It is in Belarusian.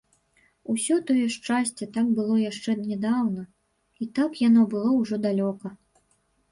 Усё тое шчасце так было яшчэ нядаўна і так яно было ўжо далёка.